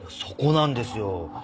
そこなんですよ。